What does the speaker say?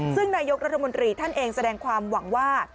ซึ่งนายกรัฐมนตรีท่านเองแสดงความหวังว่า